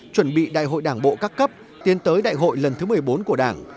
chuẩn bị đại hội đảng bộ các cấp tiến tới đại hội lần thứ một mươi bốn của đảng